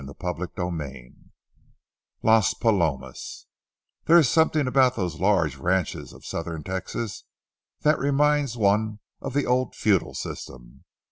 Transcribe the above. CHAPTER III LAS PALOMAS There is something about those large ranches of southern Texas that reminds one of the old feudal system.